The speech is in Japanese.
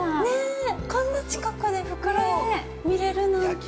こんな近くでフクロウ見れるなんて。